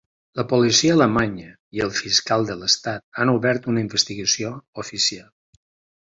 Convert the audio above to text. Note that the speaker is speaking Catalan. La policia alemanya i el fiscal de l'Estat han obert una investigació oficial.